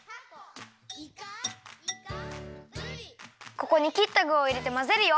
ここにきったぐをいれてまぜるよ。